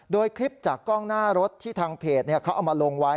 โดยคลิปจากกล้องหน้ารถที่ทางเพจเขาเอามาลงไว้